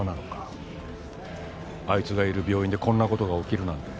あいつがいる病院でこんな事が起きるなんて。